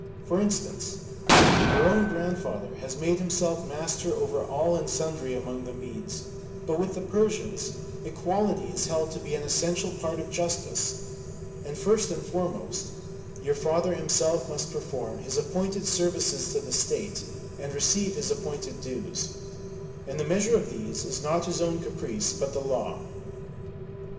For instance, your own grandfather has made himself master over all and sundry among the Medes, but with the Persians equality is held to be an essential part of justice: and first and foremost, your father himself must perform his appointed services to the state and receive his appointed dues: and the measure of these is not his own caprice but the law.